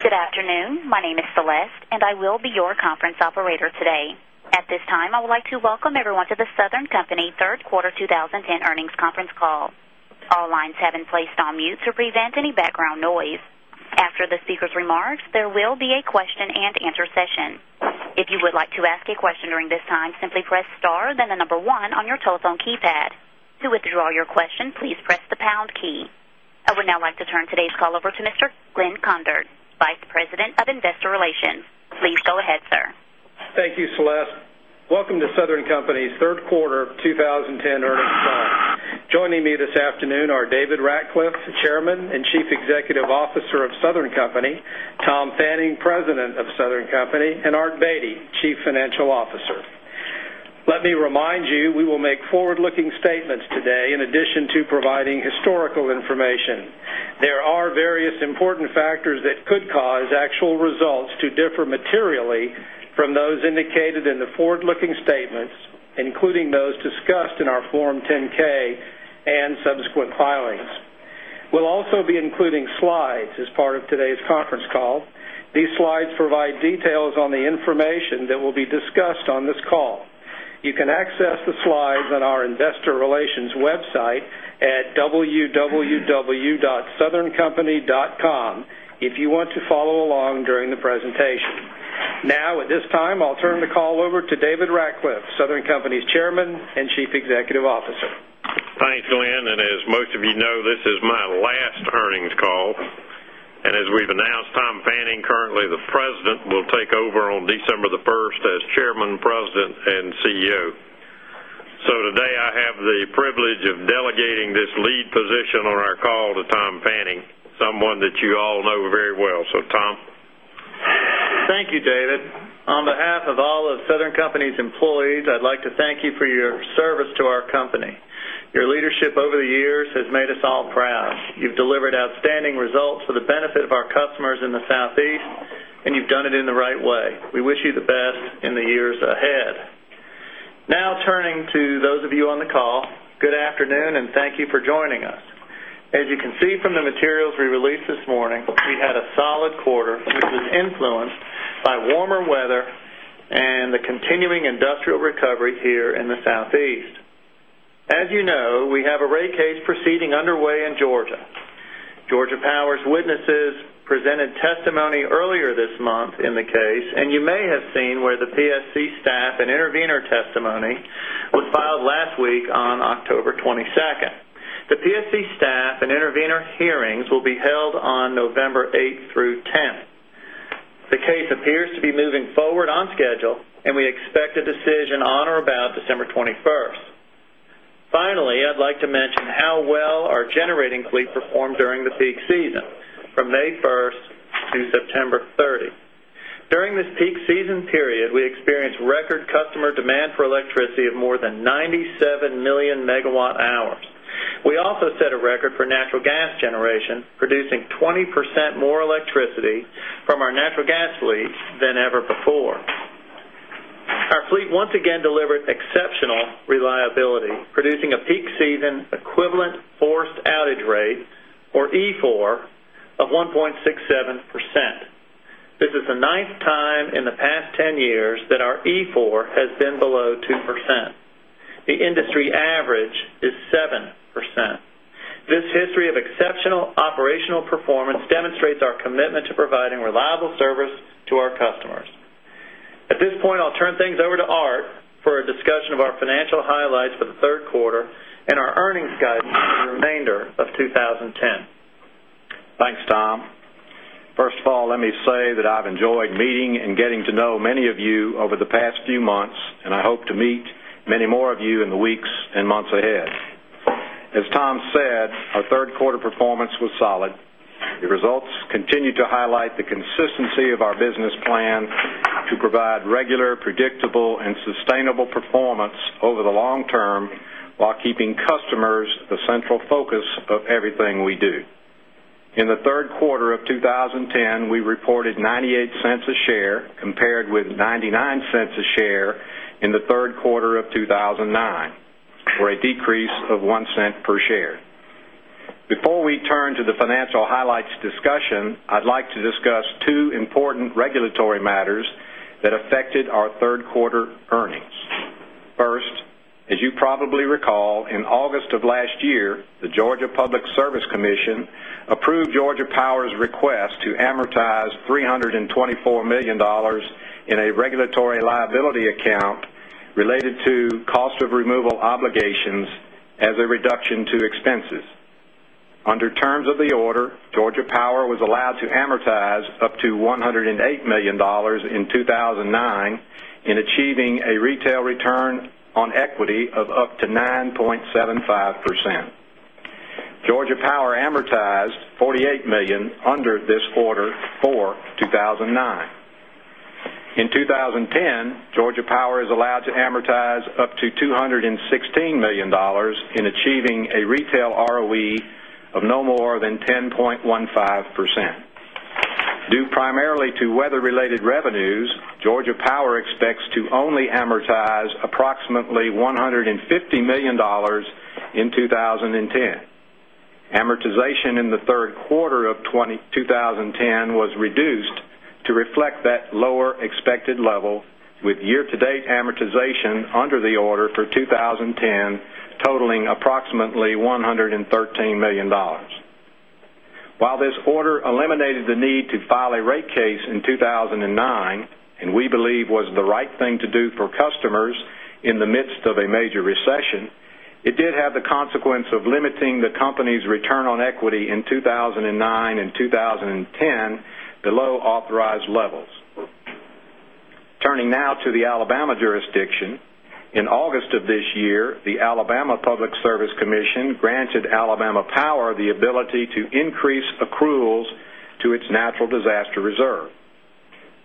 Good afternoon. My name is Celeste, and I will be your conference operator today. At this time, I would like to welcome everyone to The Southern Company 3rd Quarter 2010 Earnings Conference Call. I would now like to today's call over to Mr. Glenn Condard, Vice President of Investor Relations. Please go ahead, sir. Thank you, Celeste. Welcome to Southern Company's Q3 of 2010 earnings call. Joining me this afternoon are David Ratcliffe, Chairman and Chief Executive Officer of Southern Company Tom Fanning, President of Southern Company and Art Beatty, Chief Financial Officer. Let me remind you, we will make forward looking statements today in addition to providing historical information. There are various important factors that could cause actual results to differ materially from those indicated in the forward looking statements, including those discussed in our Form 10 ks subsequent filings. We'll also be including slides as part of today's conference call. These slides provide details on the information that will be discussed on this call. You can access the slides on our Investor Relations website at www. Southerncompany.com if you want to follow along during the presentation. Now at this time, I'll turn the call over to David Ratcliffe, Southern Company's Chairman and Chief Executive Officer. Thanks, Glenn. And as most of you know, this is my last earnings call. And as we've announced Tom Fanning, currently the President, will take over on December 1 as Chairman, President and CEO. So today, I have the privilege of delegating this lead position on our call to Tom Fanning, someone that you all know very well. So Tom? Thank you, David. On behalf of all of Southern Company's employees, I'd like to thank you for your service to our company. Your leadership over the years has made us all proud. You've delivered outstanding results the benefit of our customers in the Southeast, and you've done it in the right way. We wish you the best in the years ahead. Now turning to those of you on the call, good afternoon and thank you for joining us. As you can see from the materials we released this morning, we had a solid quarter, which was influenced by warmer weather and the continuing industrial recovery here in the Southeast. As you know, we have a rate case proceeding underway in Georgia. Georgia Power's witnesses presented testimony earlier this month in the case, and you may have seen where the PSC staff and intervenor testimony was filed last week on October 22. The PSC staff and intervenor hearings will be held on November 8 through 10. The case appears to be moving forward on schedule and we expect a decision on or about December 21. Finally, I'd like to mention how well our generating fleet performed during the peak season from May 1 through September 30. During this peak season period, we experienced record customer demand for electricity of more than 97,000,000 megawatt hours. We also set a record for natural gas generation, producing 20% more electricity from our natural gas fleet than ever before. Our fleet once again delivered exceptional reliability producing a peak season equivalent forced outage rate or E-four of 1.67%. This the 9th time in the past 10 years that our E4 has been below 2%. The industry average is 7%. This history of exceptional operational performance demonstrates our commitment to providing reliable service to our customers. At this point, I'll turn things over to Art for a discussion of our financial highlights for the Q3 and our earnings guidance for the remainder of 2010. Thanks, Tom. First of all, let me say that I've enjoyed meeting and getting to know many of you over the past few months and I hope to meet many more of you in the weeks and months ahead. As Tom said, our 3rd quarter performance was solid. The results continue to highlight the consistency of our business plan to provide regular predictable and sustainable performance over the long term, while keeping customers a central focus of everything we do. In the Q3 of 2010, we reported $0.98 a share compared with $0.99 a share $9 highlights discussion, I'd like to discuss 2 important regulatory matters that affected our 3rd quarter earnings. First, as you probably recall, in August of last year, the Georgia Public Service Commission approved Georgia Power's request to amortize $324,000,000 in a regulatory liability account related to cost of removal obligations as a reduction to expenses. Under terms of the order, Georgia Power was allowed to amortize up to 108,000,000 dollars in 2,009 in achieving a retail return on equity of up to 9.75 percent. Georgia Power amortized $48,000,000 under this order for 2,009. In 2010, Georgia Power is allowed to amortize up to $216,000,000 in achieving a retail ROE of no more than 10.15 percent. Due primarily to weather related revenues, Georgia Power expects to only amortize approximately 2010 totaling approximately $113,000,000 While this order eliminated the need to file a rate case in 2,009 and we believe was the right thing to do for customers in the midst of a major recession, it did have the consequence of limiting the the accruals to its natural disaster reserve.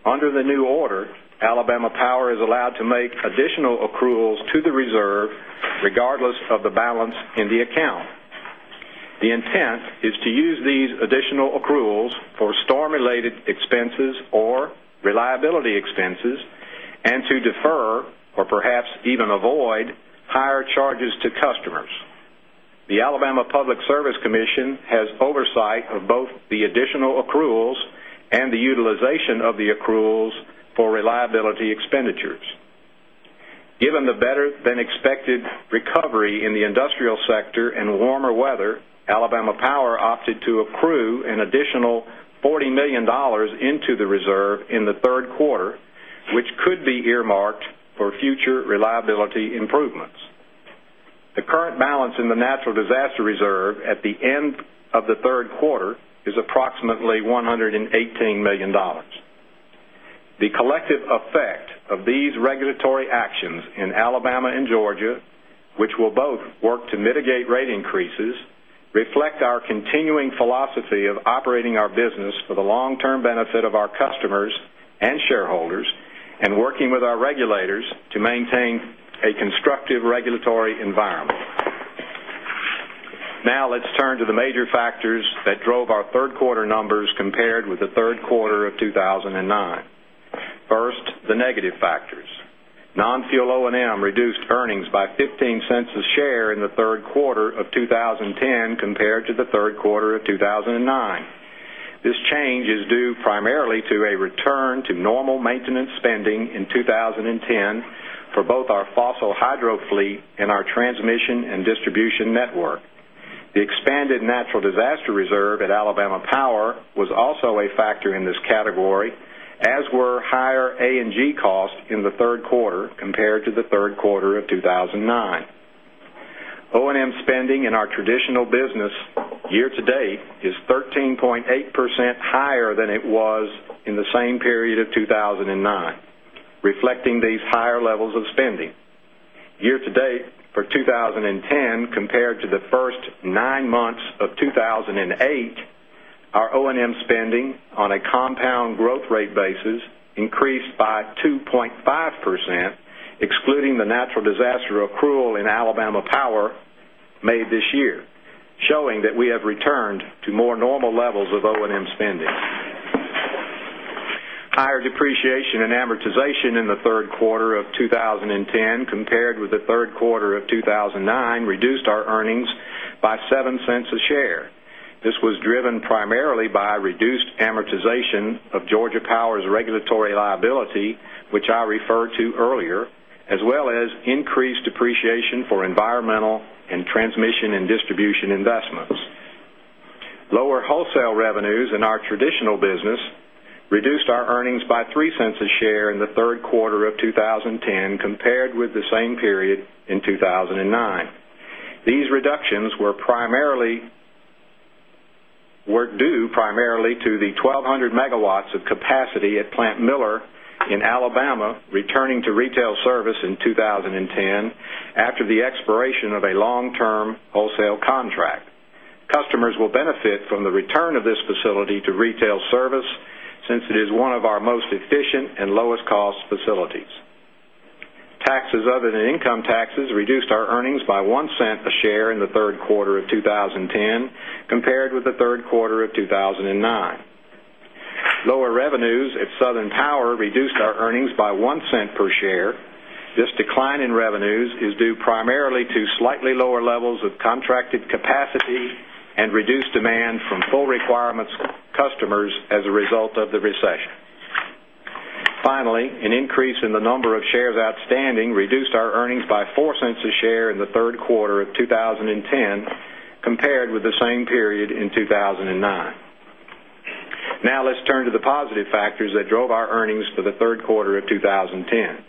Under the new order, Alabama Power is allowed to make additional accruals to the reserve regardless of the balance in the account. The intent is to use these additional accruals for storm Service Commission has oversight of both the additional accruals and the utilization of the accruals for reliability expenditures. Given the better than expected recovery in the industrial sector and warmer weather, Alabama Power opted to accrue an additional $40,000,000 into the reserve in the 3rd quarter, which could be marked for future reliability improvements. The current balance in the natural disaster reserve at the end of the 3rd quarter is approximately $118,000,000 The collective effect of these regulatory actions in Alabama and Georgia, which will both work to mitigate rate increases, reflect our continuing philosophy of operating our business for the long term benefit of our customers and shareholders and working with our regulators to maintain a constructive regulatory environment. Now let's turn to the major factors that drove our 3rd quarter numbers compared with the Q3 of of primarily to a return to normal maintenance spending in 2010 for both our fossil hydro fleet and our transmission and distribution network. The expanded natural disaster reserve at Alabama Power was also a factor in this category as were higher A and G costs in the Q3 compared to the Q3 of 2,009. O and M spending in our traditional business reflecting these higher levels of spending. Year to date for 2010 compared to the 1st 9 months of 2000 and 8, our O and M spending on a compound growth rate basis increased by 2.5% excluding the natural disaster accrual in Alabama Power made this year showing that we have returned to more normal levels of O and M spending. Higher depreciation and amortization in the Q3 of 2010 compared with the Q3 of reduced amortization of Georgia Power's regulatory liability, which I referred to earlier as well as increased depreciation for environmental and transmission and distribution investments. Lower wholesale revenues in our traditional business reduced our earnings by $0.03 a share in the Q3 of 2010 compared with the same period in 2,009. These reductions were primarily were due primarily to the 1200 megawatts of capacity at Plant Miller in Alabama returning to retail service in 2010 after the expiration of a long term wholesale contract. Customers will benefit from the return of this facility retail service since it is one of our most efficient and lowest cost facilities. Taxes other than income taxes reduced our earnings by $0.01 a share in the Q3 of 2010 compared with the Q3 of 2009. Lower revenues at Southern Power reduced our earnings by $0.01 per share. This decline in revenues is due primarily to slightly lower levels of contracted capacity and reduced demand from full requirements customers as a result of the recession. Finally, an increase in the number of shares outstanding reduced our earnings by $0.04 a share in the Q3 of 2010 compared with the same period in 2000 and 9. Now let's turn to the positive factors that drove our earnings for the Q3 of 2010.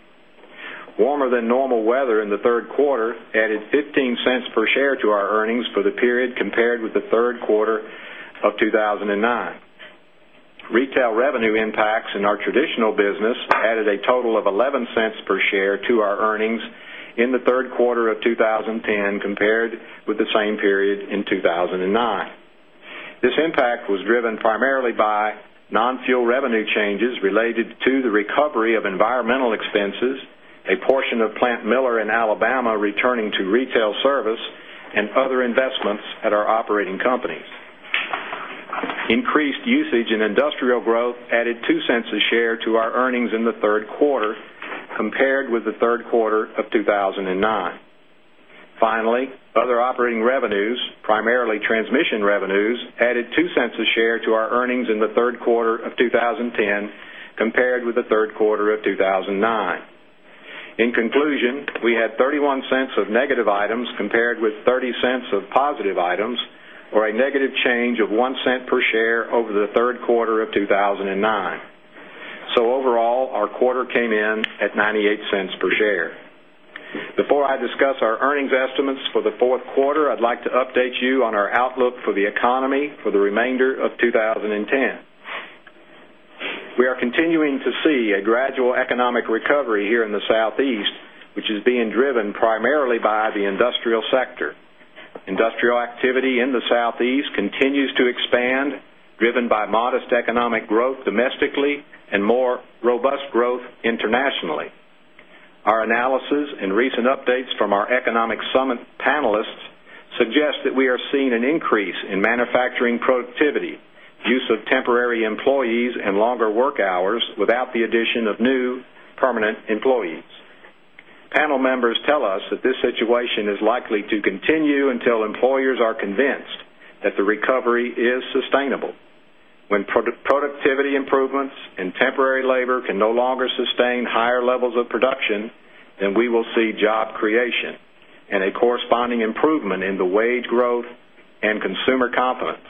Warmer than normal weather in the Q3 added $0.15 per share to our earnings for the period compared with the Q3 of 2009. Retail revenue impacts in our traditional business added a total of $0.11 per share to our earnings in the Q3 of 2010 compared with the same period in 2 1009. This impact was driven primarily by non fuel revenue changes related to the recovery of environmental expenses, a portion of Increased usage in industrial growth added $0.02 a share to our earnings in the 3rd quarter compared with the 3rd quarter of 2,009. Finally, other operating revenues, primarily transmission revenues added $0.02 a share to our earnings in the Q3 of 2010 compared with the Q3 of 2009. In conclusion, we had $0.31 of negative items compared with $0.30 of positive items or a negative change of $0.01 per share over the Q3 of 2,009. So overall, our quarter came in at $0.98 per share. Before I discuss our earnings estimates for the 4th quarter, I'd like to update you on our outlook for the economy for the remainder of 20 10. We are continuing to see a gradual economic recovery here in the Southeast, which is being driven primarily by the industrial sector. Industrial Industrial activity in the Southeast continues to expand driven by modest economic growth domestically and more robust growth internationally. Our analysis and recent updates from our Economic Summit panelists suggest that we are seeing an increase in manufacturing productivity, use of temporary employees and longer work hours without the addition of new permanent employees. Panel members tell us that this situation is likely to continue until employers are convinced that the recovery is sustainable. When productivity improvements and temporary labor can no longer sustain higher levels of production, then we will see job creation and a corresponding improvement in the wage growth and consumer confidence,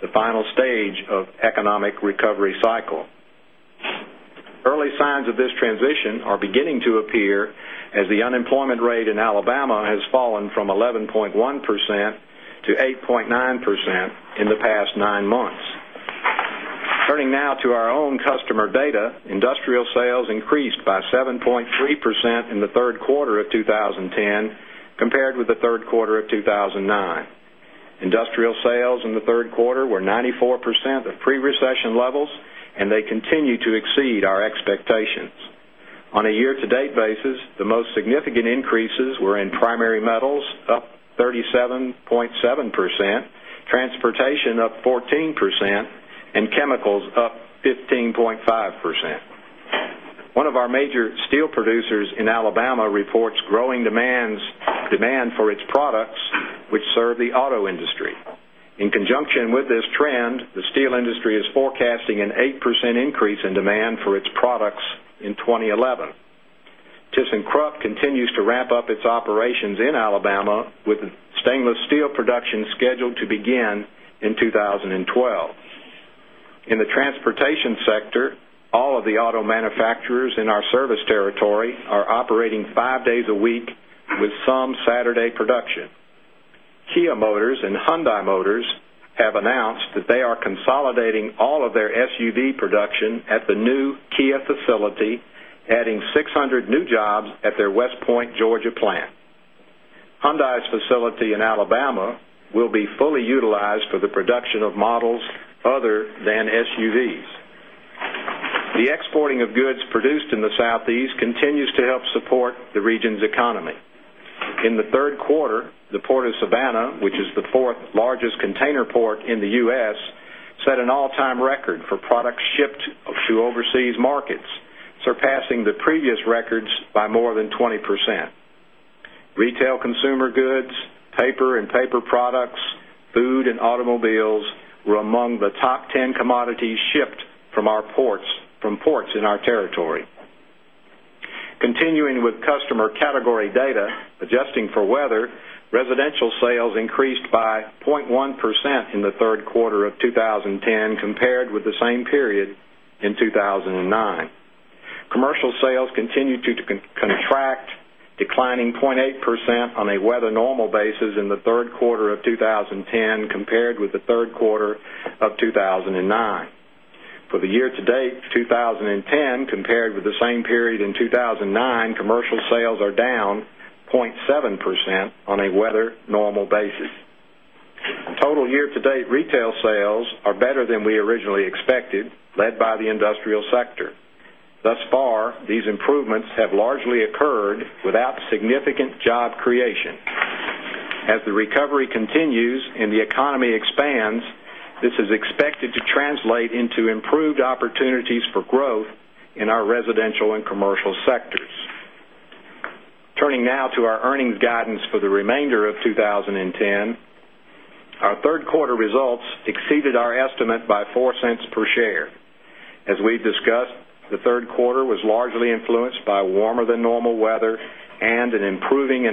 the final stage of economic recovery cycle. Early signs of this transition are beginning to appear as the unemployment rate in Alabama has fallen from 11.1% to 8 point 9% in the past 9 months. Turning now to our own customer data, industrial sales increased by sales increased by 7.3% in the Q3 of 2010 compared with the Q3 of 2,009. Industrial sales in the Q3 were 94% of pre recession levels and they continue to exceed our expectations. On a year to date basis, the most significant increases were in primary metals, percent, transportation up 14% and chemicals up 15.5%. 1 of our major steel producers in Alabama reports growing demands demand for its products, which serve the auto industry. In conjunction with this trend, the steel industry is forecasting an 8% increase in demand for its products in 2011. Thyssenkrupp continues to ramp up its operations in Alabama with stainless steel production scheduled to begin in 2012. In the transportation sector, all of the auto manufacturers in our service territory are operating 5 days a week with some Saturday production. Kia Motors and Hyundai Motors have announced that they are consolidating all of their SUV production at the new Kia facility adding 600 new jobs at their West Point, Georgia plant. Hyundai's facility in Alabama will be fully utilized for the production of models other than SUVs. The exporting of goods produced in the Southeast continues to help support the region's economy. In the Q3, the Port of Savannah, which is 4th largest container port in the U. S. Set an all time record for products shipped to overseas markets, surpassing the previous records by more than 20%. Retail consumer goods, paper and paper products, food and automobiles were among the top 10 commodities shipped from our 9. Commercial sales continued to contract declining 0.8% on a weather normal basis in the Q3 of 2010 compared with the Q3 of 2009. For the year to date twenty 10 compared with the same period in 2,009 commercial sales are down 0.7% on a weather normal basis. Total year to date retail sales are better than we originally expected led by the industrial sector. Thus in our residential and commercial sectors. Turning now to our earnings guidance for the remainder of 2010. Our 3rd quarter results exceeded our estimate by $0.04 per share. As we've discussed, the 3rd quarter was largely influenced by warmer than normal weather and an improving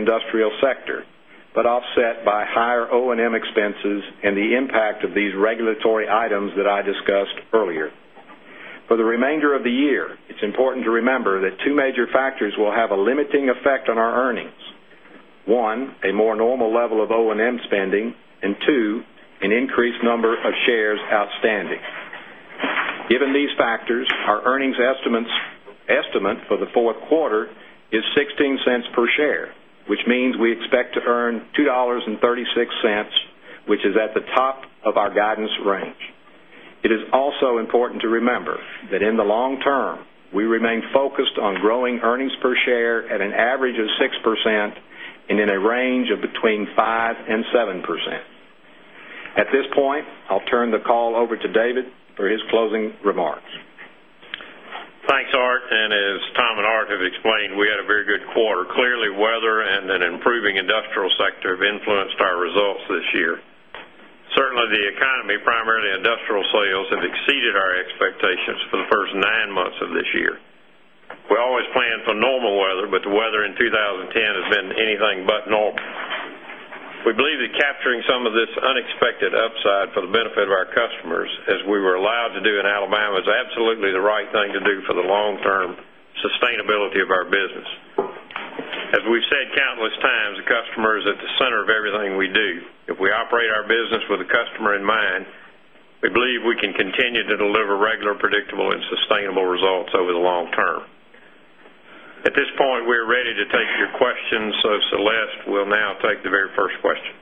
earlier. For the remainder of the year, it's important to remember that 2 major factors will have a limiting effect on our earnings. 1, a more normal earnings estimate for the Q4 is $0.16 per share, which means we expect to earn $2.36 which is at the per share at an average of 6% and in a range of between 5% and 7%. At this point, I'll turn the call over to David for his closing remarks. Thanks, Art. And as Tom and Art have explained, we had a very good quarter. Clearly weather and an improving industrial sector have influenced our results this year. Certainly, the the economy, primarily industrial sales have exceeded our expectations for the 1st 9 months of this year. We always planned for normal weather, but the weather in 2010 has been anything but normal. We believe that capturing some of this unexpected upside for the benefit of our customers as were allowed to do in Alabama is absolutely the right thing to do for the long term sustainability of our business. As we've said countless times, the customer is at the center of everything we do. If we operate our business with the customer in mind, we believe we can continue to deliver regular predictable and sustainable results over the long term. At this point, we are ready to take your questions. So, Celeste, we'll now take the very first question.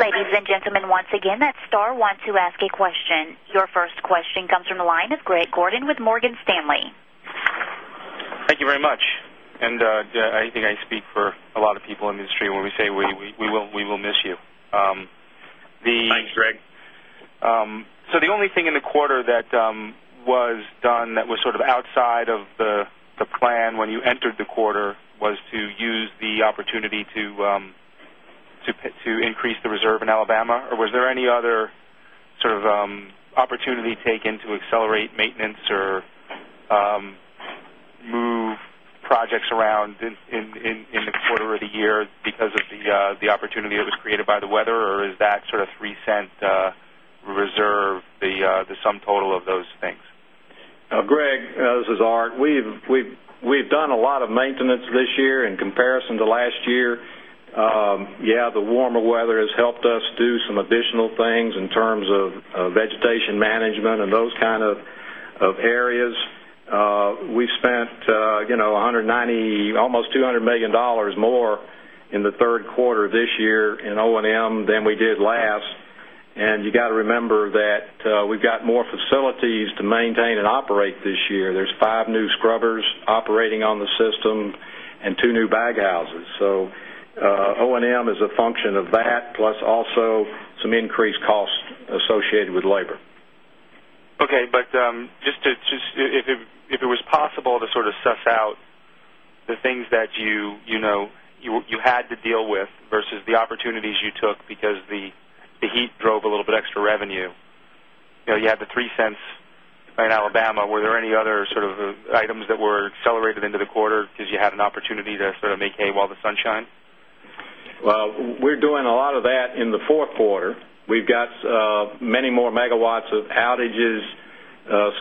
Your first question comes from the line of Greg Gordon with Morgan Stanley. Thank you very much. And I think I speak for a lot of people in the industry when we say we will miss you. Thanks, Greg. So the only thing in the quarter that was done that was sort of outside of the plan when you entered the quarter was to use the opportunity to increase the reserve in Alabama? Or was there any other sort of opportunity taken to accelerate projects around in the quarter or the year because of the opportunity that was created by the weather? Or is that sort of $0.03 reserve the sum total of those things? Greg, this is Art. We've done a lot of maintenance this year in comparison to last year. Yes, the warmer weather has helped us do some additional things in terms of vegetation management and those kind of areas. We spent $190,000,000 almost $200,000,000 more in the Q3 of this year in O and M than we did last. And you got to remember that we've got more facilities to maintain and operate this year. There's 5 new scrubbers operating on the system and 2 new bag houses. So O and M is a function of that plus also some increased costs associated with labor. Okay. But just if it was possible to sort of suss out the things that you had to deal with versus the opportunities you took because the heat drove a little bit extra revenue. You had the $0.03 in Alabama. Were there any other sort of items that were accelerated into the quarter because you had an opportunity to sort of make hay while the sunshine? Well, we're doing sunshine? Well, we're doing a lot of that in the 4th quarter. We've got many more megawatts of outages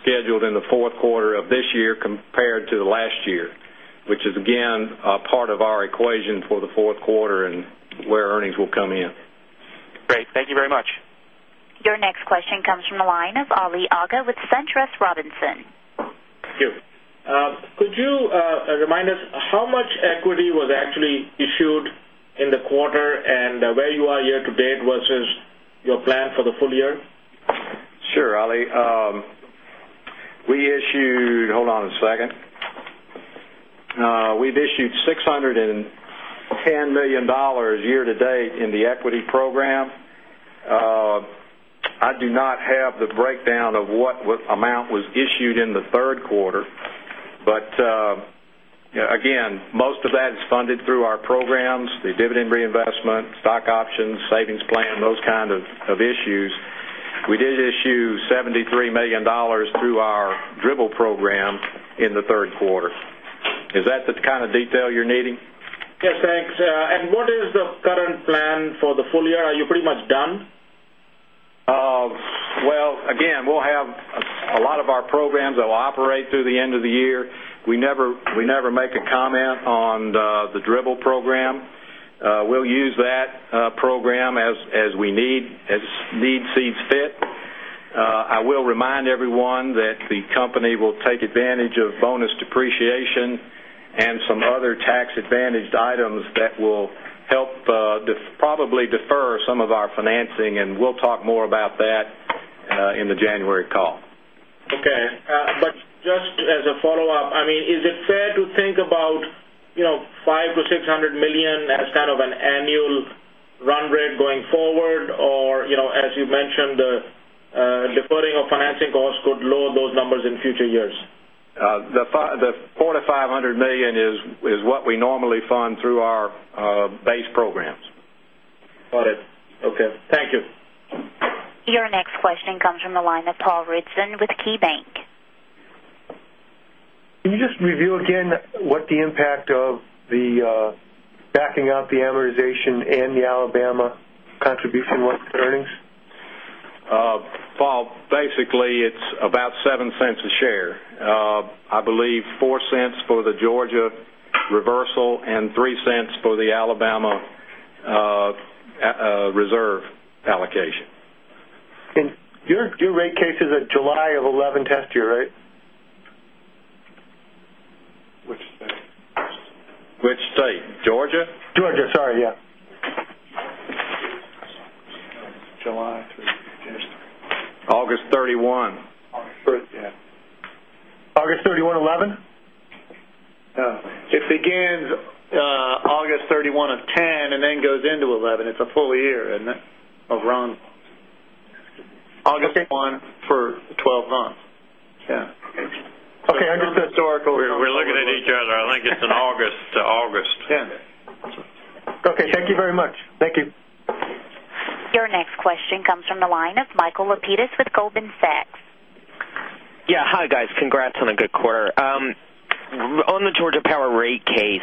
scheduled in the Q4 of this year compared to the last year, which is again part of our equation for the 4th quarter and where earnings will come in. Great. Thank you very much. Your next question comes from the line of Ali Agha with SunTrust Robinson. Thank you. Could you remind us how much equity was actually issued in the quarter and where you are year to date versus your plan for the full year? Sure, Ali. We issued hold on a second. We've issued $610,000,000 year to date in the equity program. I do not have the breakdown of what amount was issued in the 3rd quarter. But again, most of that is funded through our programs, the dividend reinvestment, stock options, savings plan, those kind of issues. We did issue $73,000,000 through our dribble program in the Q3. Is that the kind of detail you're needing? Yes. Thanks. And what is the current plan for the full year? Are you pretty much done? Well, again, we'll have a lot of our programs will operate through the end of the year. We never make a comment on the dribble program. We'll use that program as we need as need seeds fit. I will remind everyone that the company will take advantage of bonus depreciation and some other tax advantaged items that will help probably defer some of our financing and we'll talk more about that in the January call. Okay. But just as a follow-up, I mean is it fair to think about $500,000,000 to $600,000,000 as kind of an annual run rate going forward? Or as you mentioned, deferring of financing costs could lower those numbers in future years? The $400,000,000 to $500,000,000 is what we normally fund through our base programs. Got it. Okay. Thank you. Your next question comes from the line of Paul Ridzon with KeyBanc. Can you just review again what the impact of the backing up the amortization and the Alabama contribution was earnings? Paul, basically it's about 0.07 dollars a share. I believe $0.04 for the Georgia reversal and $0.03 for the Alabama reserve allocation. And you're due rate cases at July of 2011, that's right? Which state? Which state? Georgia? Georgia, sorry, yes. July 31. August 31, 2011? Yes. It begins August 31, 2010 and then goes into 2011. It's a full year of around August 1 for 12 months. Okay. I guess historically we're looking at each other. I think it's in August to August. Okay. Thank you very much. Thank you. Your next question comes from the line of Michael Lapides with Goldman Sachs. Yes. Hi, guys. Congrats a good quarter. On the Georgia Power rate case,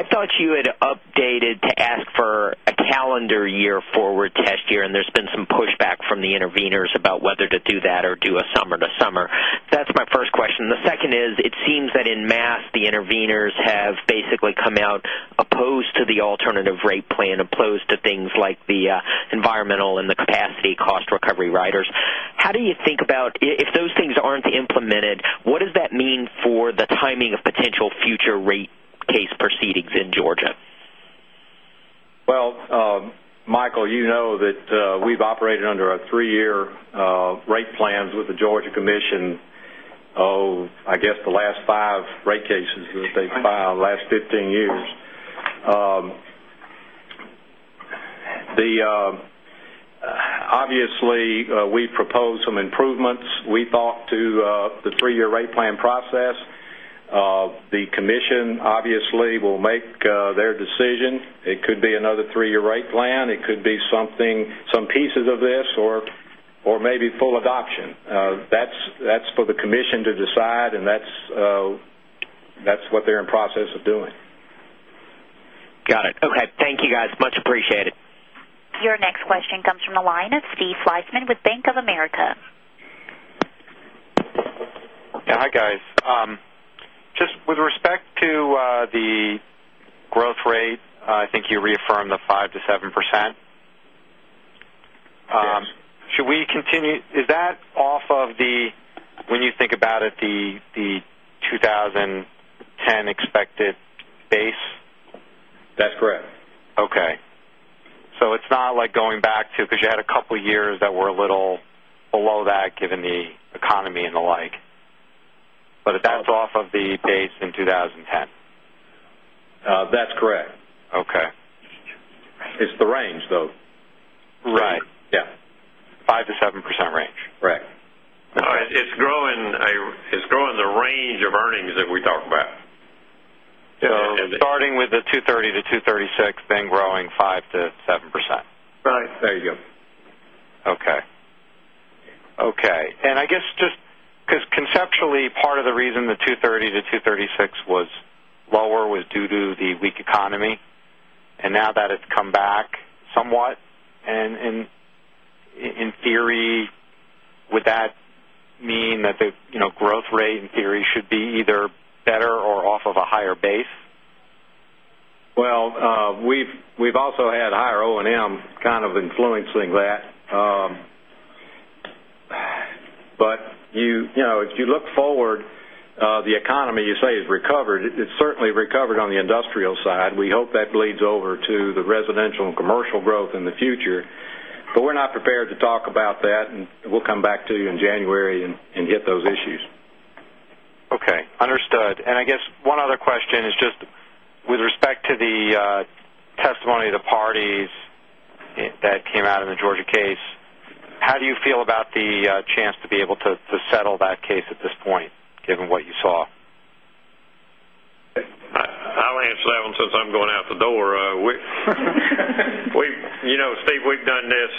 I thought you had updated to ask for a calendar year forward test year and there's been some pushback from the interveners about whether to do that or do a summer to summer. That's my first question. The second is, it seems that in mass the interveners have basically come out opposed to the alternative rate plan opposed to the alternative rate plan opposed to things like the environmental and the capacity cost recovery riders. How do you think about if those things aren't Well, Michael, you know that we've operated under our 3 year rate plans with the Georgia Commission. I guess the last five rate cases that they filed last 15 years. Commission to decide and that's what they're in process of doing. Got it. Okay. Thank you, guys. Much appreciated. Your next question comes from the line of Steve Fleissman with Bank of America. Hi, guys. Just with respect to the growth rate, I think you reaffirmed the 5% to 7%. Should we continue is that off of the when you think about it, the 2010 expected base? That's correct. So it's not like going back to because you had a couple of years that were a little below that given the economy and the like, but that's off of the base in 2010? That's correct. Okay. It's the range though. Right. Yes. 5% to 7% range. Correct. It's growing the range of earnings that we talk about. So starting with the $2.30 to $2.36 then growing 5% to 7%. Right. There you go. Okay. Okay. And I guess just because conceptually part of the reason the $230,000,000 to 2 $36,000,000 was lower was due to the weak economy and now that it's come back somewhat and in theory, would that mean that the growth rate in theory should be either better or off of a higher base? Well, we've also had higher O and M kind of influencing that. But if you look forward, the economy you say has recovered. It's certainly recovered on the industrial side. We hope that bleeds over to the residential and commercial growth in the future. But we're not prepared to talk about that and we'll come back to you in January and hit those issues. Okay. Understood. And I guess one other question is just with respect to the testimony of the parties that came out in the Georgia case, how do you feel about the chance to be able to settle that case at this point given what you saw? I'll answer that one I'm going out the door. Steve, we've done this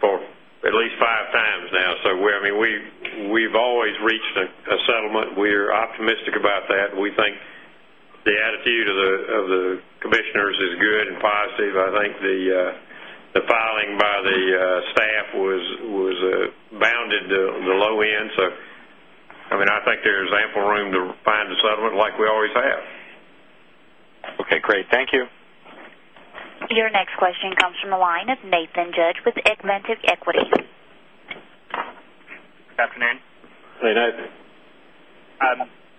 for at least 5 times now. So we've always reached a settlement. We are optimistic about that. We think the attitude of the commissioners is good and positive. I think the filing by the staff was bounded to the low end. So I mean, I think there is ample room to find the settlement like we always have. Okay, Your next question comes from the line of Nathan Judge with AgMantic Equity. Good afternoon. Hi, Nathan.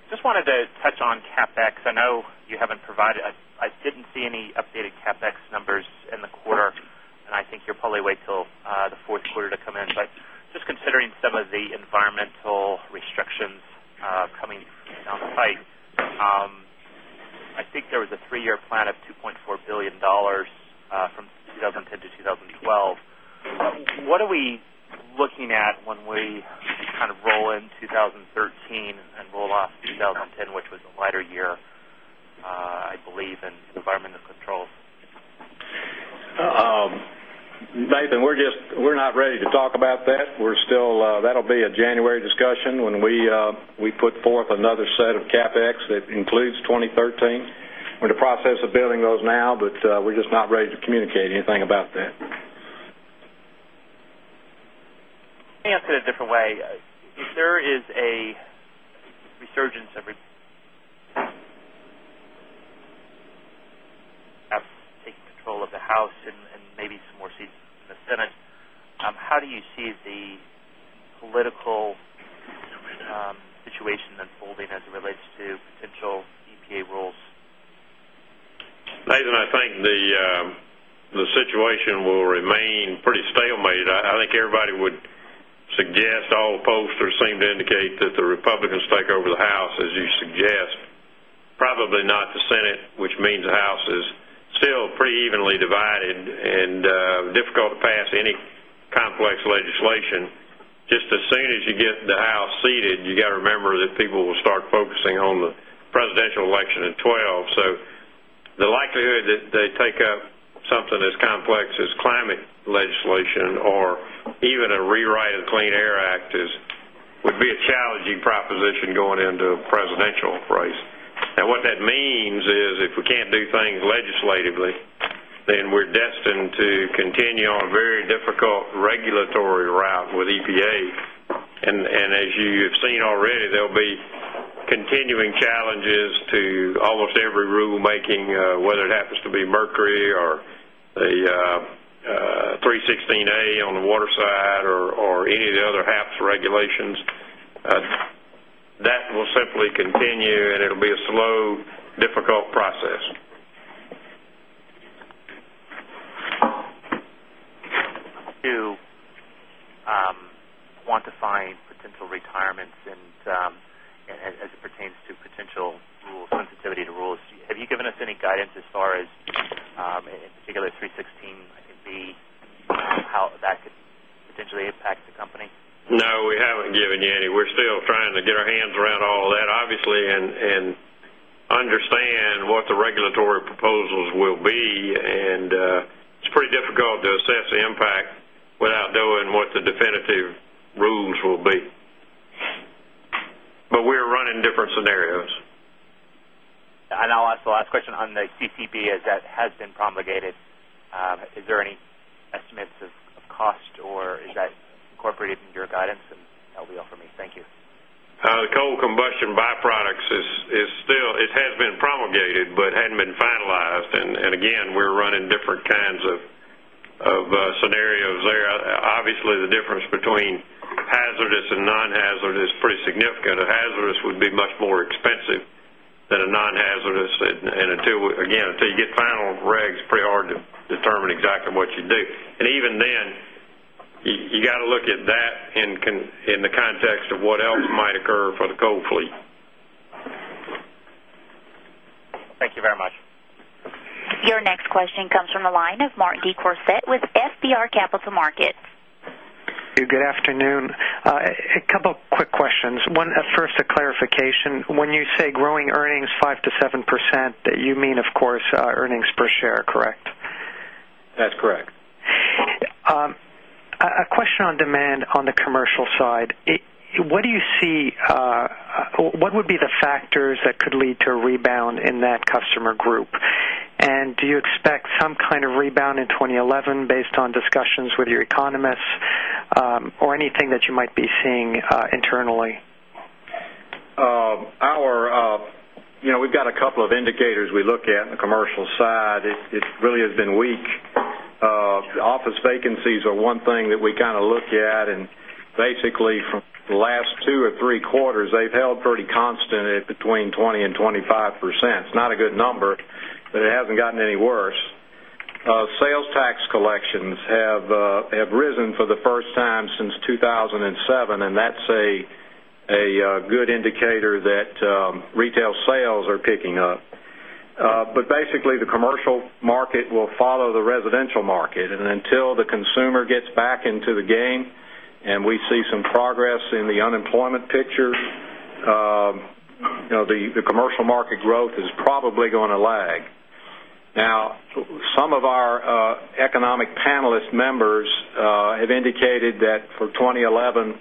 Just wanted to touch on CapEx. I know you haven't provided I didn't see any updated CapEx numbers in the quarter. And I think you'll probably wait till the Q4 to come in. But just considering some of the environmental site, I think there was a 3 year plan of 2,400,000,000 $4,000,000,000 from 2010 to 2012. What are we looking at when we kind of roll in 2013 and roll off 2010, which was a lighter year, I believe in environmental controls? Nathan, we're just we're not ready to talk about that. We're still that will be a January discussion when we put forth another set of CapEx that includes 2013. We're in the process of building those now, but we're just not ready to communicate anything about that. I'll answer a different way. If there is a resurgence of taking control of the House and maybe some more seats in the Senate. How do you see the political situation unfolding as it as stalemated. I think everybody would suggest all the posters seem to indicate that the Republicans take over the House as you suggest, probably not the Senate, which means the House is still pretty evenly divided and difficult to pass any complex legislation. Just as soon as you get the House seated, you got to remember that people will start focusing on the presidential election in 2012. So the likelihood that they take up something as complex as climate legislation or even a rewrite of Clean Air Act would be a challenging proposition going into presidential race. And what that means is if we can't do things have seen already as you've seen already, there'll be continuing challenges to almost every rule making whether it happens to be mercury or the 316A on the water side or any of the other HAPS regulations. That will simply continue and it will be a slow, difficult process. To quantify potential retirements and as it pertains to potential sensitivity to rules. Have you given us any guidance as far as in particular 316 could be how that could potentially impact the company? No, we haven't given you any. We're still trying to get our hands around all of that obviously and understand what the regulatory proposals will be and it's pretty difficult to assess the impact without knowing what the definitive rules will be. But we are running different scenarios. And I'll ask the last question on the CCB as that has been promulgated. Is there any estimates of cost or is that incorporated in your guidance? And that will be all for me. Thank you. The coal combustion byproducts is still it has been promulgated, but hadn't been finalized. And again, we're running different kinds of scenarios there. Obviously, the difference between hazardous and nonhazard is pretty significant. A hazardous would be much more expensive than a nonhazardous. And until again, until you get final regs, it's pretty hard to determine exactly what you do. And even then, you got to look at that in the context of what else might occur for the coal fleet. Thank you very much. Your next question comes from the line of Martin DeCourcecett with FBR Capital Markets. Good afternoon. A couple of quick questions. 1, first a clarification. When you say growing earnings 5% to 7%, you mean, of course, earnings per share, correct? That's correct. A question on demand on the commercial side. What do you see what would be the factors that could lead to a rebound in that customer group? And do you expect some kind of rebound in 2011 based on discussions with your economists or anything that you might be seeing internally? We've got a couple of indicators we look at in commercial side. It really has been weak. Office vacancies are one thing that we kind of look at. And gotten any worse. Sales tax collections have a good indicator that retail sales are picking up. But basically, the commercial market will follow the residential market. And until the consumer gets back into the game and we see some progress in the unemployment picture, the commercial the commercial market growth is probably going to lag. Now some of our economic panelist members have indicated that for 2011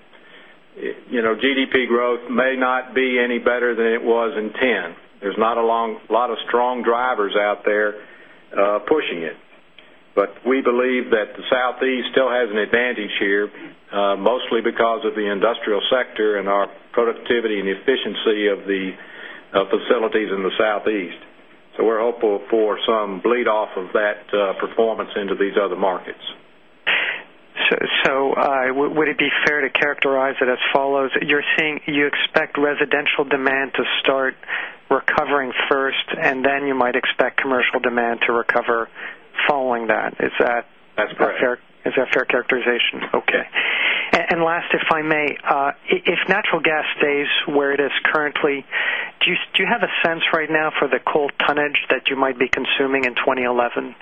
GDP growth may not be any better than it was in 2010. There's not a long lot of strong drivers out there pushing it. But we believe that the Southeast Southeast still has an advantage here, mostly because of the industrial sector and our productivity and efficiency of the facilities in the Southeast. So, we're hopeful for some bleed off of that performance into these other markets. So, would it be fair to characterize it as follows? You're seeing you expect residential demand to start recovering first and then you might expect commercial demand to recover following that. Is that a fair characterization? Okay. And last, if I may, if natural gas stays where it is currently, do you have a sense right now for the coal tonnage that you might be consuming in 2011?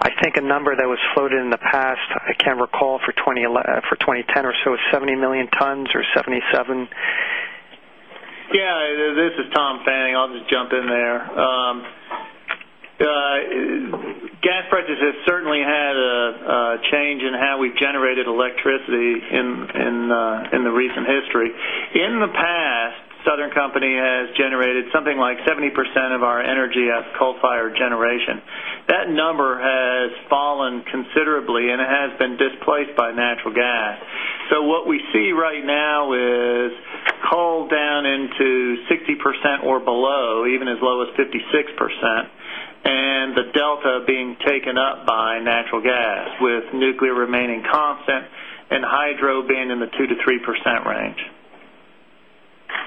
I think a number that was flowed in the past, I can't recall for 2010 or so, 70,000,000 tonnes or 77,000,000? Yes. This is Tom Fanning. I'll just jump in there. Gas prices has certainly had a change in how we've generated electricity in the recent history. In the past, Southern Company has generated something like 70% of our energy as coal fired generation. That number has fallen considerably and it has been displaced by natural gas. So what we see right now is coal down into 60% or below even as low as 56% and the delta being taken up by natural gas with nuclear remaining constant and hydro being in the 2% to 3% range.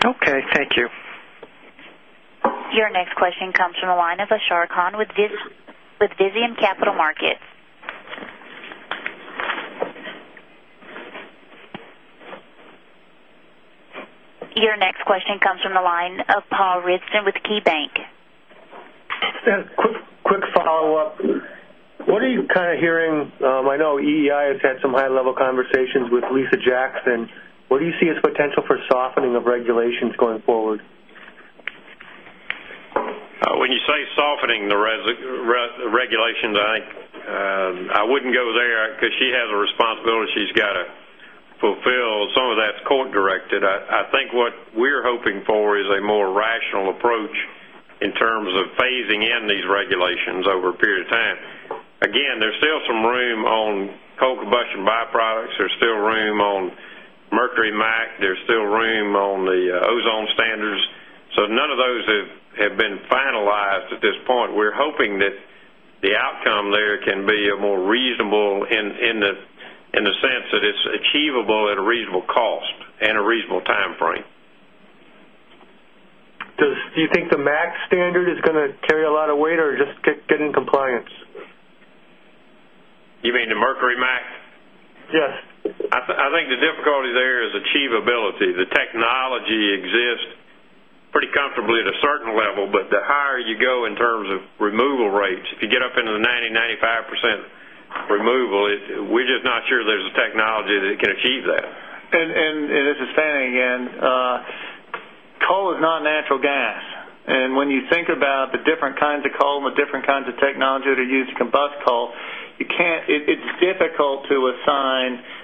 Okay. Thank you. Your next question comes from the line of Ashar Khan with Visium Capital Markets. Your next question comes from the line of Paul Ridzon with KeyBanc. Just a quick follow-up. What are you kind of hearing? I know EEI has had some high level conversations with Lisa Jackson. What do you see as potential for softening of regulations going forward? You say softening the regulations, I wouldn't go there because she has a responsibility she's got to fulfill. Some of that's court directed. I think what we are hoping for is a more rational approach in terms of phasing in these regulations over a period of time. Again, there's still some room on coal combustion byproducts. There's still room on Mercury Mac. There's still room on the ozone standards. So none of those have been finalized at this point. We're hoping that the outcome there can be a more reasonable in the sense that it's achievable at a reasonable cost and a reasonable time frame. Do you think the MAX standard is going to carry a lot of weight or just get in compliance? You mean the Mercury, Mac? Yes. I think the difficulty there is achievability. The technology exists pretty comfortably at a certain level, but the higher you go in terms of removal rates, if you get up into the 90%, 95% removal, we're just not sure there's a technology that achieve that. And this is Fannie again. Coal is not natural gas. And when you think about the different kinds of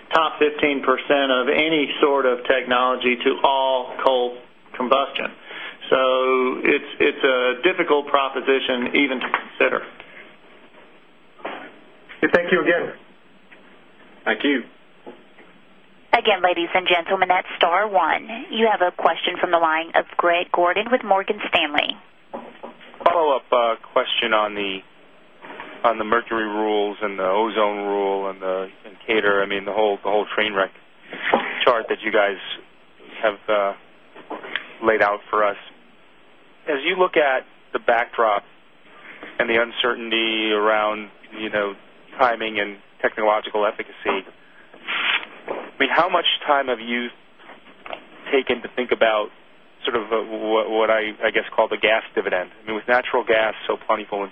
top 15% of any sort of technology to all coal combustion. So it's a difficult proposition even to consider. Thank you again. Thank you. You have a question from the line of Greg Gordon with Morgan Stanley. Follow-up question on the mercury rules and the ozone rule and the in cater, I mean the whole train wreck chart that you guys have laid out for us. You look at the backdrop and the uncertainty around timing and technological efficacy, I mean, how much time have you taken to think about sort of what I guess call the gas dividend? I mean, with natural gas so plentiful and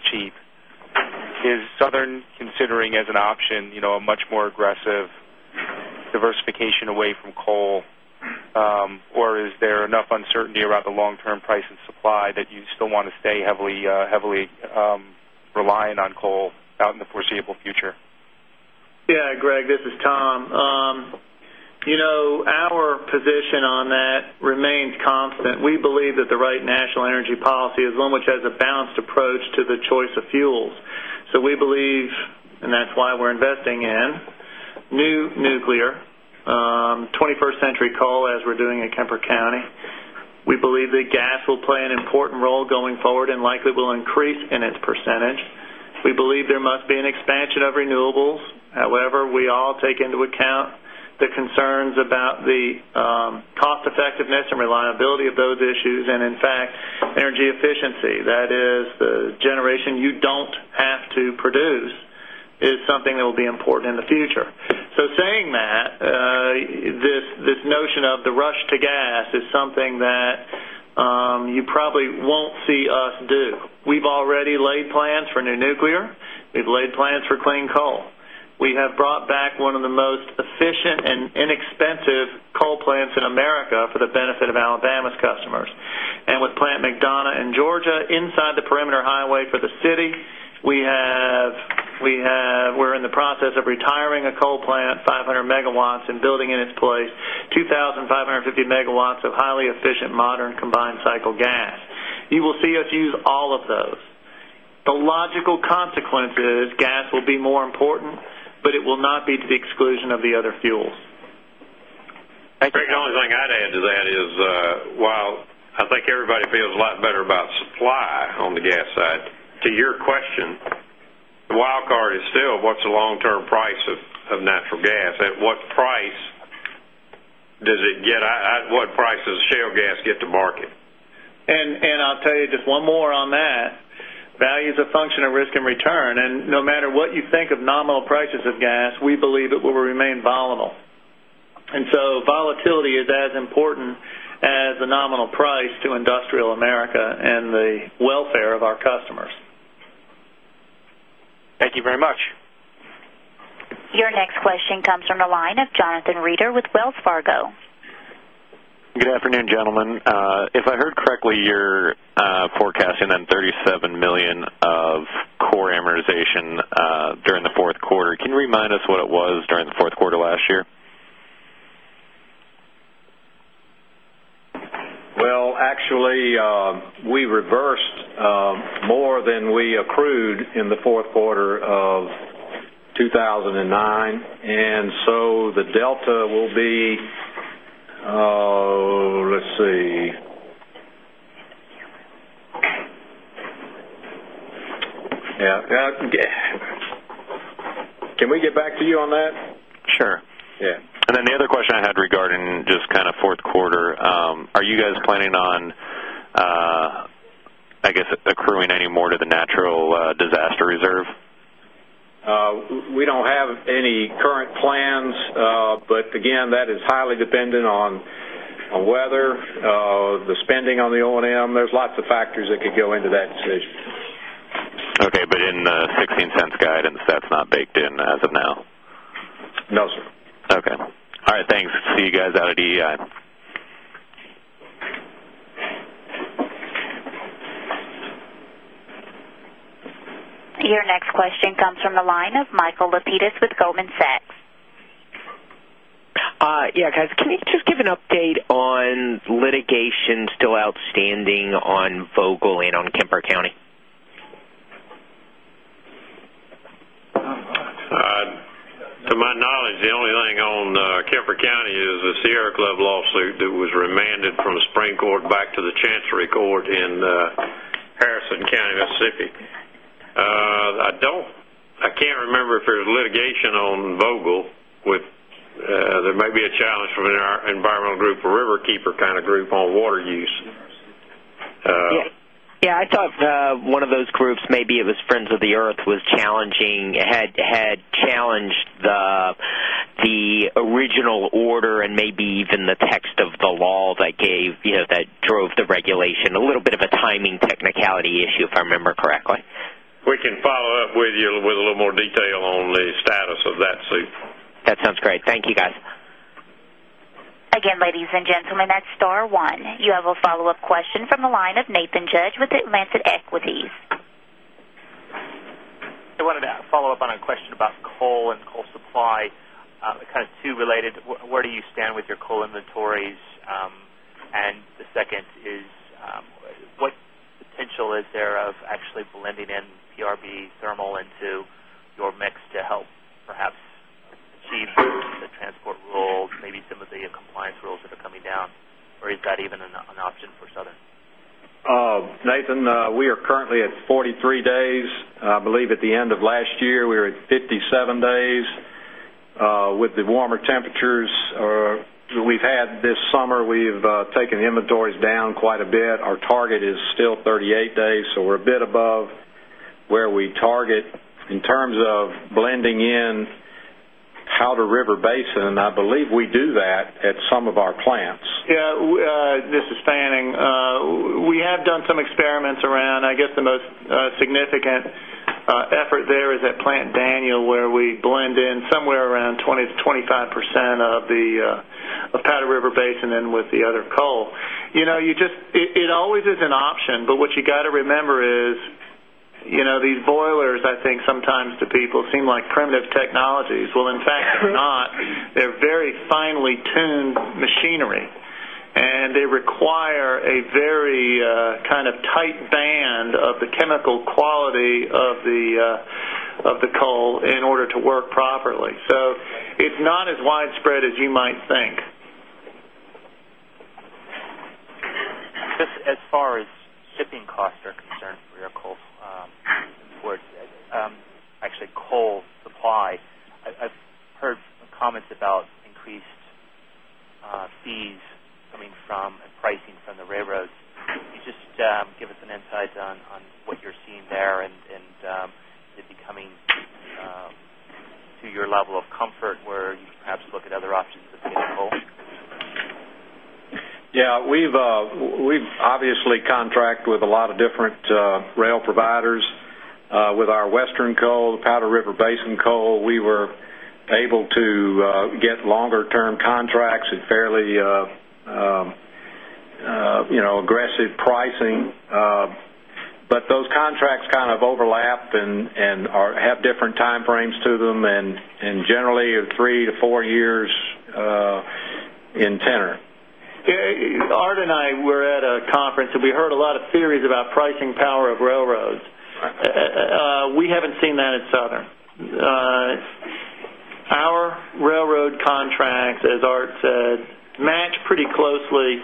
Or is there enough uncertainty around the long term price and supply that you still want to stay heavily relying on coal out in the foreseeable future? Yes, Greg, this is Tom. Our position on that remains confident. We believe that the right national energy policy is one which has a balanced approach to the choice of fuels. So we believe and that's why we're investing in new nuclear, 21st century coal as we're doing at Kemper County. We believe that gas will play an important role going forward and likely will increase in its percentage. We believe there must be an expansion of renewables. However, we all take into account the concerns about the cost effectiveness and reliability of those issues and in fact energy efficiency that is the generation you don't have to produce is something that will be important in the future. So saying that, this notion of the rush to gas is something that, you probably won't see us do. We've already laid plans for new nuclear. We've laid plans for clean coal. We have brought back one of the most efficient and inexpensive coal plants in America for the benefit of Alabama's customers. And with Plant McDonough in Georgia inside the perimeter highway for the city, we have we're in the process of retiring a coal plant 500 Megawatts and building in its place 2,550 Megawatts of highly efficient modern combined cycle gas. You will see us use all of those. The logical consequence is gas will be more important, but it will not be to the exclusion of the other fuels. Craig, the only thing I'd add to that is, while I think everybody feels a lot better about supply on the gas side. To your question, the wildcard is still what's the long term price of natural gas? At what price does it get at what price does shale gas get to market? And I'll tell you just one more on that. Value is a function of risk and return. And no matter what you think of nominal prices of gas, we believe it will remain volatile. And so volatility is as important as the nominal price to Industrial America and the welfare of our customers. Thank you very much. Your next question comes from the line of Jonathan Reeder with Wells Fargo. Good afternoon, gentlemen. If I heard correctly, you're forecasting $37,000,000 of core amortization during the Q4. Can you remind us what it was during the Q4 last year? Well, actually, we reversed more than we accrued let's see, let's see. Can we get back to you on that? Sure. Yes. And then the other question I had regarding just kind of 4th quarter, are you guys planning on, I guess, accruing any more to the natural disaster reserve? We don't have any current plans, but again, that is highly dependent on weather, the spending on the O and M, there's lots of factors that could go into that decision. Okay. But in the $0.16 guidance, that's not baked in as of now? No, sir. Okay. All right. Thanks. See you guys out at Your next question comes from the line of Michael Lapides with Goldman Sachs. Yes, guys. Can you just give an update on litigation still outstanding on Vogtle and on Kemper County? To my knowledge, the only thing on Kemper the County, Mississippi. I don't I can't remember if there's litigation on Vogtle with there may be a challenge from our environmental group or Riverkeeper kind of group on water use. Yes. I thought one of those groups maybe it was Friends of the Earth was challenging, had challenged the original order and maybe even the text of the law that gave that drove the regulation, a little bit of a timing technicality issue if I remember correctly? We can follow-up with you with a little more detail on the status of that soup. That sounds great. Thank you, guys. You have a follow-up question from the line of Nathan Judge with Lancet Equities. I wanted to follow-up on a question about coal and coal supply, kind of 2 related. Where do you stand with your coal inventories? And the second is, what potential is there of blending in PRB thermal into your mix to help perhaps achieve the transport rules, maybe some of the compliance rules that are coming down? Or is that even an option for Southern? Nathan, we are currently at 43 days. I believe at the end of last year, we were at 57 days. With the warmer temperatures we've had this summer, we've taken inventories down quite a bit. Our target is still 38 days. So we're a bit above where we target in terms of blending in Powder River Basin and I believe we do that at some of our plants. Yes. This is Fanning. We have done some experiments around, I guess the most significant effort there is at Plant Daniel where we blend in somewhere around 20% to 25% of the Powder River Basin and with the other coal. You just it always is an option, but what you got to remember is these boilers I think sometimes to people seem like primitive technologies. Well, in fact, they're not. Are very finely tuned machinery and they require a very kind of tight band of the chemical quality of the coal in order to work properly. So it's not as widespread as you might think. Just as far as Just as far as shipping costs are concerned for your coal imports, actually coal supply, I've heard comments about increased fees coming from pricing from the railroads. Can you just give us an insight on what you're seeing there and it becoming to your level of comfort where you perhaps look at other options to see coal? Yes. We've obviously contract with a lot of different rail providers. With our Western Coal, Powder River Basin Coal, we were able to get longer term contracts at fairly aggressive pricing. But those contracts kind of overlap and have different time frames to them and generally 3 to 4 years in tenor. Ard and I were at a conference and we heard a lot of theories about pricing power of railroads. We haven't seen that at Southern. Our railroad contracts, as Art said, match pretty closely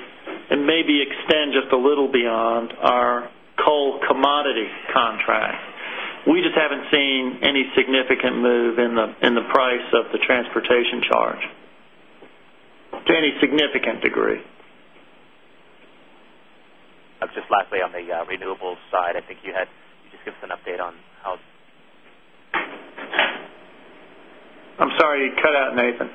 and maybe extend just a little beyond our coal commodity contract. We just haven't seen any significant move in the price of the transportation charge to any significant degree. And just lastly on the Renewables side, I think you had can you just give us an update on how? I'm sorry, you cut out, Nathan.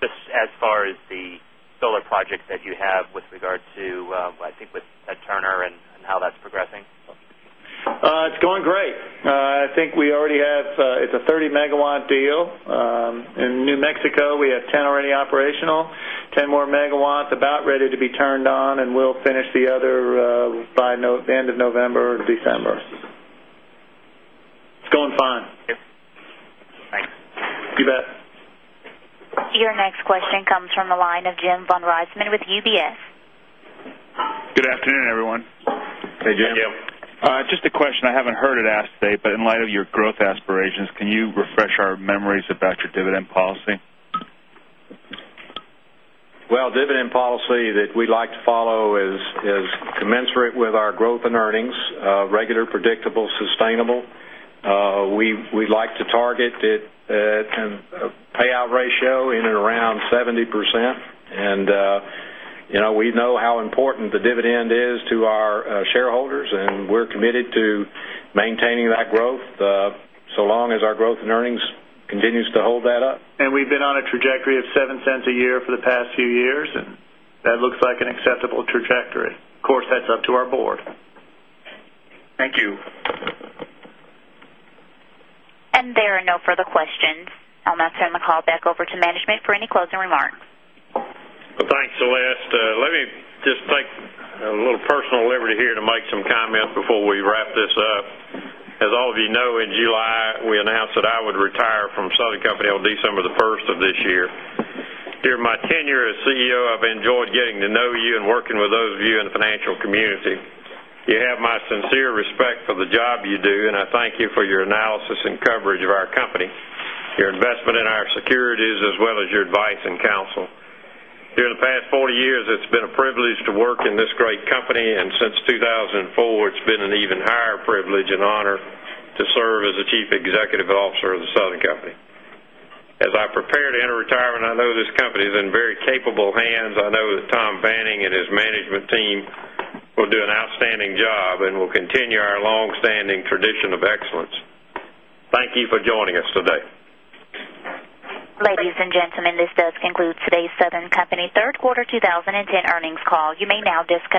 Just as far as the solar projects that you have with regard to I think with Turner and how progressing? It's going great. I think we already have it's a 30 megawatt deal. In New Mexico, we have 10 already operational, 10 more megawatts about ready to be turned on and we'll finish the other by the end of November or December. It's going fine. Yes. Thanks. You bet. Your next question comes from the line of Jim Von Reisman with UBS. Good afternoon, everyone. Hey, Jim. Just a question, I haven't heard it asked today, but in light of your growth aspirations, can you refresh our memories about your dividend policy? Well, dividend policy that we'd like to follow is commensurate with our growth and earnings, regular, predictable, sustainable. We'd like to target it at a payout ratio in and around 70%. And we know how important the dividend is to our shareholders and we're committed to maintaining that growth. Shareholders and we're committed to maintaining that growth so long as our growth in earnings continues to hold that up. And we've have been on a trajectory of $0.07 a year for the past few years and that looks like an acceptable trajectory. Of course, that's up to our Board. Thank you. And there are no further questions. I'll now turn the call back over to management for any closing remarks. Well, thanks, Celeste. Let me just take a little personal liberty here to make some comments before we wrap this up. As all of you know, in July, we announced that I would retire from Southern Company on December 1 this year. During my tenure as CEO, I've enjoyed getting to know you and working with those of you in the financial community. You have my sincere respect for the job you do, and I thank you for your analysis and coverage of our company, your investment in our securities as well as your advice and counsel. During the past 40 years, it's been a privilege to work in this great company and since 2004, it's been an even higher privilege and honor to serve as the Chief Executive Officer of the Southern Company. As I prepare to enter retirement, I know this company is in very capable hands. I know that Tom Fanning and his management will do an outstanding job and will continue our long standing tradition of excellence. Thank you for joining us today.